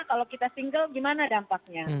kalau kita single gimana dampaknya